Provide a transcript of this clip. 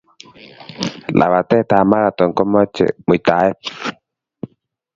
lapatetap ap marathon kamachei muitaet